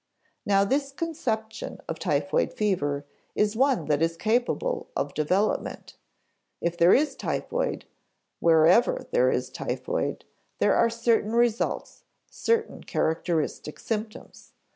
Now this conception of typhoid fever is one that is capable of development. If there is typhoid, wherever there is typhoid, there are certain results, certain characteristic symptoms.